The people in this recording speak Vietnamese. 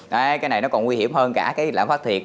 đây cái này nó còn nguy hiểm hơn cả cái lãm phát thiệt